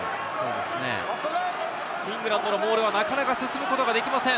イングランドのボールはなかなか進むことができません。